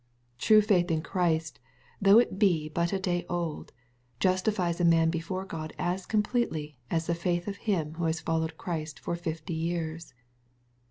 True faith in Christ; though it be but a day old, justifies a man before God as completely as the feith of him who has followed Christ for fifty years.